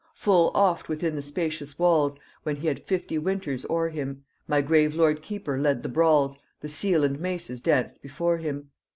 Full oft within the spacious walls, When he had fifty winters o'er him, My grave lord keeper led the brawls, The seal and maces danced before him.